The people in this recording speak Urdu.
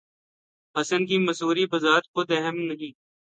حسن کی مصوری بذات خود اہم نہیں